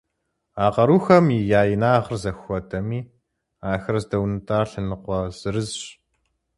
А къарухэм я инагъыр зэхуэдэми, ахэр здэунэтӏар лъэныкъуэ зырызщ.